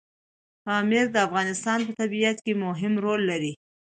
پامیر د افغانستان په طبیعت کې مهم رول لري.